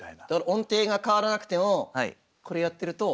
音程が変わらなくてもこれやってると。